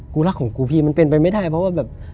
รักของกูพี่มันเป็นไปไม่ได้เพราะว่าแบบ